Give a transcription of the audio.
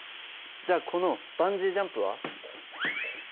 じゃあこのバンジージャンプは？